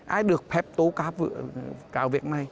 ai được phép tố cáo việc này